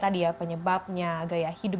tadi ya penyebabnya gaya hidup